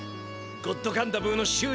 ゴッドガンダブーのしゅ